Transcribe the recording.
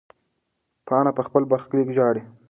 پاڼه په خپل برخلیک ژاړي.